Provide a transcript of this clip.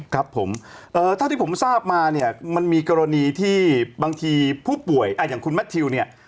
ครับผมเท่าที่ผมทราบมาเนี่ยมันมีกรณีที่บางทีผู้ป่วยอย่างคุณแมททิวเนี่ย